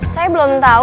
saya belum tau